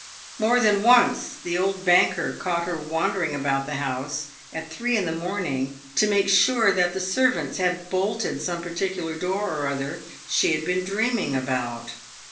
More than once the old banker caught her wandering about the house, at three in the morning, to make sure that the servants had bolted some particular door or other she had been dreaming about.